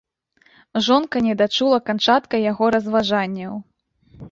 Жонка не дачула канчатка яго разважанняў.